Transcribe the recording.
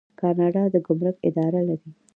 کاناډا د ګمرک اداره لري.